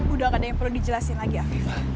udah gak ada yang perlu dijelasin lagi ah